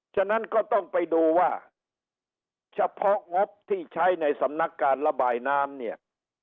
ฉะนั้นก็ต้องไปดูว่าเฉพาะงบที่ใช้ในสำนักการระบายน้ำเนี่ย